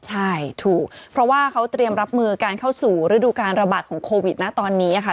ใช่ถูกเพราะว่าเขาเตรียมรับมือการเข้าสู่ฤดูการระบาดของโควิดนะตอนนี้ค่ะ